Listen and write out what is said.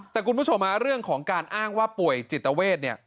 แต่คุณผู้ชมเรื่องของการอ้างว่าป่วยจิตเวท